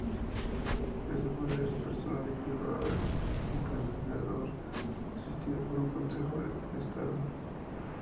Este poder es personal y privado del Emperador, asistido por un Consejo de Estado.